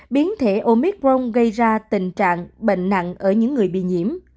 biến thể omicron gây ra tình trạng bệnh nặng ở những người bị nhiễm